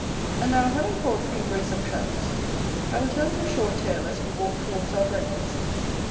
And now, having caught three brace of Trouts, I will tell you a short tale as we walk towards our breakfast.